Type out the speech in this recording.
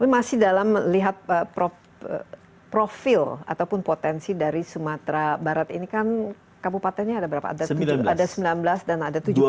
masih dalam lihat profil ataupun potensi dari sumatera barat ini kan kabupatennya ada berapa ada sembilan belas dan ada tujuh belas